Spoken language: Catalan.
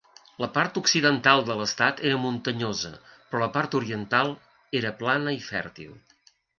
La part occidental de l'estat era muntanyosa però la part oriental era plana i fèrtil.